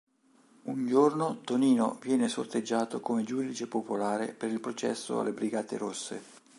Un giorno Tonino viene sorteggiato come giudice popolare per il processo alle Brigate Rosse.